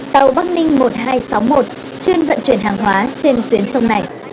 tàu bắc ninh một nghìn hai trăm sáu mươi một chuyên vận chuyển hàng hóa trên tuyến sông này